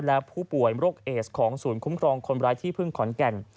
และผู้ป่วยโรคเอสของศูนย์คุ้มครองคนร้ายที่พึ่งขอนแก่น